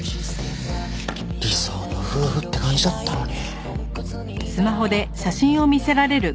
理想の夫婦って感じだったのに。